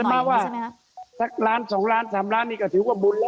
ภีรศัตริย์ก็จะมาว่าสัก๑หรือ๒หรือ๓หรือ๔ล้านบาทคือบุญหรอก